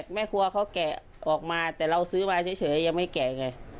แม่ครัวเขาแกะออกมาแต่เราซื้อมาเฉยยังไม่แกะไง